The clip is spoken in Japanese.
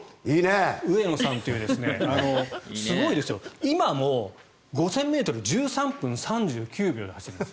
上野さんというすごいですよ、今も５０００ｍ１３分３９秒で走るんです。